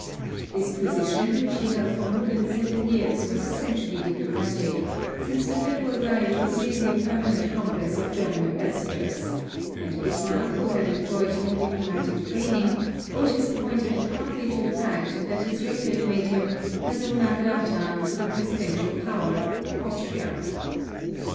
This position, which he held for more than seven years, was essentially diplomatic, since the Federal Diet was merely a permanent congress of German ambassadors; and Bismarck, who had enjoyed no diplomatic training, owed his appointment partly to the fact that his record made him persona grata to the "presidential power," Austria.